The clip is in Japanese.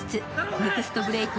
ネクストブレーク